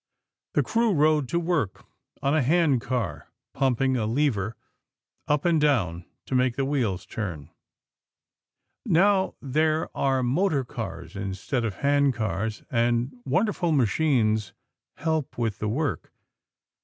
The crew rode to work on a handcar, pumping a lever up and down to make the wheels turn. Now there are motor cars instead of handcars, and wonderful machines help with the work.